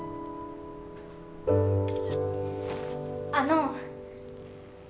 あの。